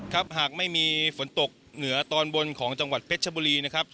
หากไม่มีฝนตกเหนือตอนบนของจังหวัดเพชรชบุรีนะครับ